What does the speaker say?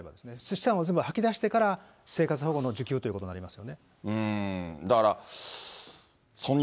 資産を全部吐きだしてから、生活保護の受給ということになりますからね。